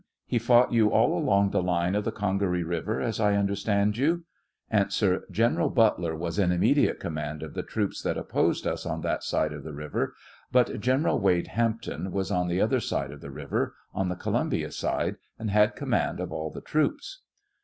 He fought you all along the line of the Oongaree river, as I understand you ? A, General Butler was in immediate command of the troops that opposed us on that side of the river, but 38 General "Wade Hampton was on the other side of the river — on the Colunabia side, and had command of all the troops.